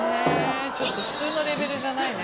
ちょっと普通のレベルじゃないね